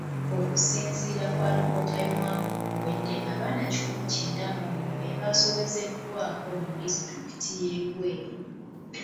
Okusinziira ku alipoota y'omwaka oguwedde abaana kikumi kyenda mu omu be baasobezebwako mu disitulikti y'e Luweero.